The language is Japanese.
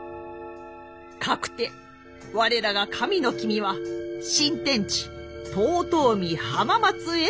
かくて我らが神の君は新天地遠江・浜松へとお移りに。